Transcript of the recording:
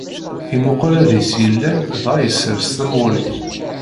Imuqel adis yellan dɣa issers tamuɣli.